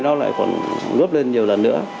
nó lại còn góp lên nhiều lần nữa